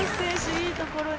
いいところに。